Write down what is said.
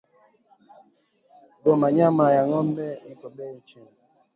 Goma nyama ya ngombe iko beyi chini